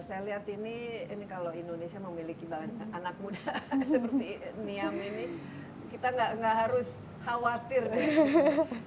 saya lihat ini kalau indonesia memiliki banyak anak muda seperti niam ini kita nggak harus khawatir nih